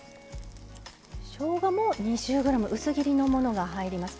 しょうがも２０ｇ薄切りのものが入ります。